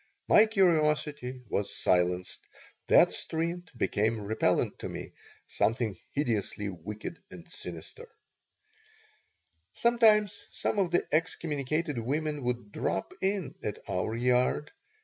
My curiosity was silenced. That street became repellent to me, something hideously wicked and sinister Sometimes some of the excommunicated women would drop in at our yard.